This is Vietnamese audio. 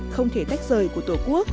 không thể tách rời của tổ quốc